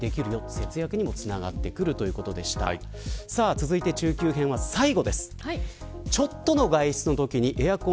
続いて中級編は最後です。